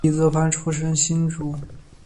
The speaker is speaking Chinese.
李泽藩出生新竹